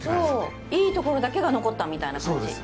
そういいところだけが残ったみたいな感じ。